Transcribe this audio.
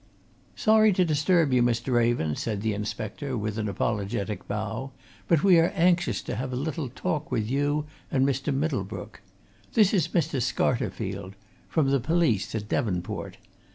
"Sorry to disturb you, Mr. Raven," said the inspector with an apologetic bow, "but we are anxious to have a little talk with you and Mr. Middlebrook. This is Mr. Scarterfield from the police at Devonport.